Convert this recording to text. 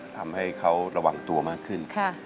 ทำให้เขาระวังตัวมากขึ้น